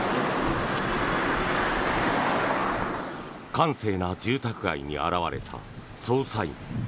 閑静な住宅街に現れた捜査員。